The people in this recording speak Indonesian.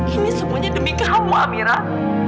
ini semuanya demi kamu amirah